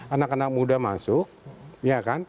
anak anak muda masuk